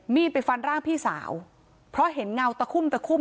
มีดไปฟันร่างพี่สาวเพราะเห็นเงาตะคุ่ม